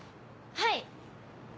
はい！